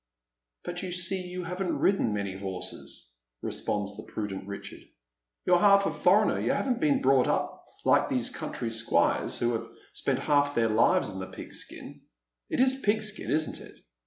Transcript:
" But you see you haven't ridden many horses," responds the prudent Richard. " You're half a foreigner. You haven't been brought up like these country squires, who have spent half their Uvea in the pigskin. It is pigskin, isn't it